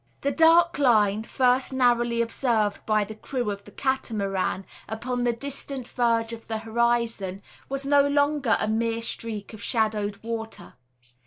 The dark line, first narrowly observed by the crew of the Catamaran upon the distant verge of the horizon, was no longer a mere streak of shadowed water.